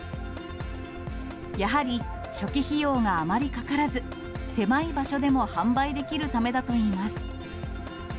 やはり、初期費用があまりかからず、狭い場所でも販売できるためだといいます。